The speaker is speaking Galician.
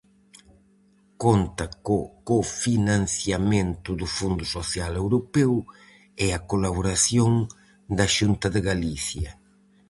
Conta co co-financiamento do Fondo Social Europeo, e a colaboración da Xunta de Galicia.